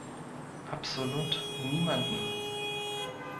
Absolut niemandem!